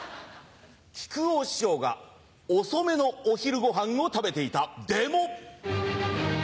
木久扇師匠が遅めのお昼ごはんを食べていたでも！